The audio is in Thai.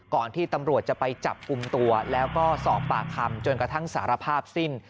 ที่ตำรวจจะไปจับกลุ่มตัวแล้วก็สอบปากคำจนกระทั่งสารภาพสิ้น